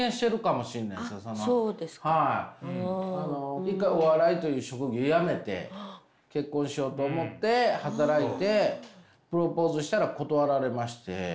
僕も一回お笑いという職業やめて結婚しようと思って働いてプロポーズしたら断られまして。